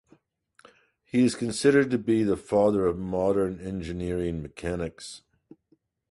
He is considered to be the father of modern engineering mechanics.